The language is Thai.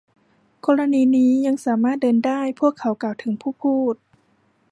กรณีนี้ ยังสามารถเดินได้ พวกเขากล่าวถึงผู้พูด